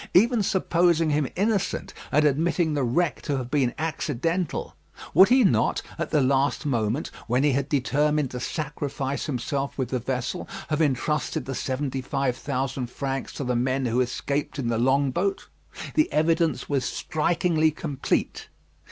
Even supposing him innocent, and admitting the wreck to have been accidental, would he not, at the last moment, when he had determined to sacrifice himself with the vessel, have entrusted the seventy five thousand francs to the men who escaped in the long boat. The evidence was strikingly complete.